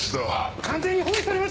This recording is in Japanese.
完全に包囲されました！